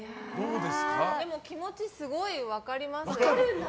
気持ち、すごい分かります。